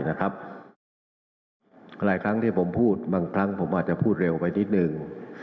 หลายครั้งที่ผมพูดผมก็จะพูดเร็วไปนิดนึง